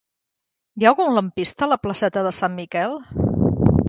Hi ha algun lampista a la placeta de Sant Miquel?